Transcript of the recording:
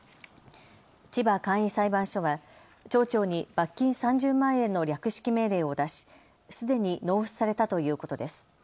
千葉簡易裁判所は町長に罰金３０万円の略式命令を出しすでに納付されたということです。